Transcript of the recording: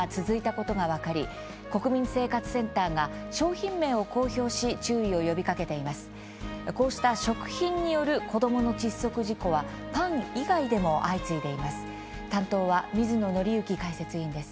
こうした食品による子どもの窒息事故はパン以外でも相次いでいます。